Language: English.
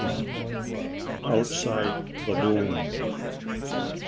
*OUTSIDE THE BOOM.